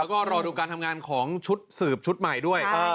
แล้วก็รอดูการทำงานของชุดสืบชุดใหม่ด้วย